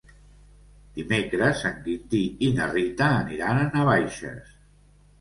Dimecres en Quintí i na Rita aniran a Navaixes.